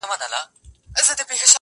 نه ښراوي سي تاوان ور رسولای!